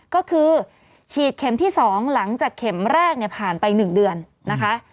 ก็คือฉีดเข็มที่๒หลังจากเข็มแรกเนี่ยผ่านไป๑เดือนนะคะ